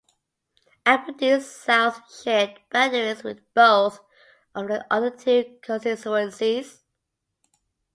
Aberdeen South shared boundaries with both of the other two constituencies.